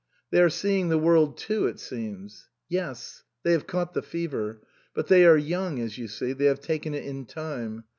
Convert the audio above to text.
" They are seeing the world too, it seems." " Yes ; they have caught the fever. But they are young, as you see ; they have taken it in time.